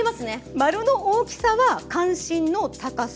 丸の大きさは関心の高さ。